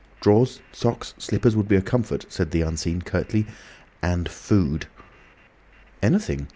"Drawers, socks, slippers would be a comfort," said the Unseen, curtly. "And food." "Anything.